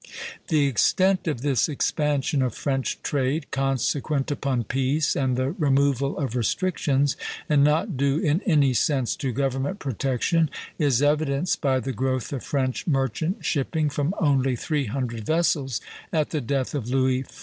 The extent of this expansion of French trade, consequent upon peace and the removal of restrictions, and not due in any sense to government protection, is evidenced by the growth of French merchant shipping from only three hundred vessels at the death of Louis XIV.